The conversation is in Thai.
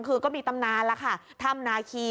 คือก็มีตำนานแล้วค่ะถ้ำนาคี